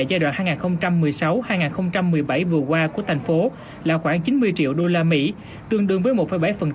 giai đoạn hai nghìn một mươi sáu hai nghìn một mươi bảy vừa qua của thành phố là khoảng chín mươi triệu usd tương đương với một bảy tổng chi của thành phố